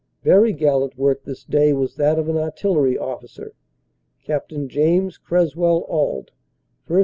Very gallant work this day was that of an artillery officer, Capt. James Creswell Auld, 1st.